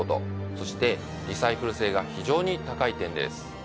そしてリサイクル性が非常に高い点です。